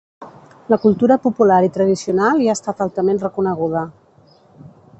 La cultura popular i tradicional hi ha estat altament reconeguda.